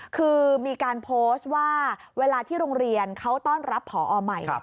คือมีการโพสต์ว่าเวลาที่โรงเรียนเขาต้อนรับผอใหม่